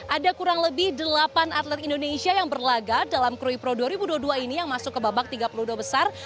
ada kurang lebih delapan atlet indonesia yang berlagak dalam kruid pro dua ribu dua puluh dua ini yang masuk ke babak tiga puluh dua besar